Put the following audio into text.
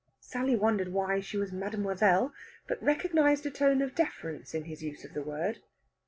Sally wondered why she was mademoiselle, but recognised a tone of deference in his use of the word.